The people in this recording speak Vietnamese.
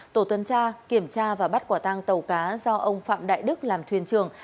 tổ tuần tra kiểm tra và bắt quả tăng tàu cá do ông phạm đại đức làm thuyền trường